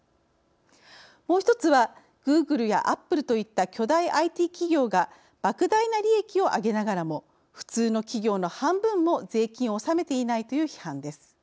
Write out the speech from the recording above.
もう一つはグーグルやアップルといった巨大ＩＴ企業がばく大な利益をあげながらも普通の企業の半分も税金を納めていないという批判です。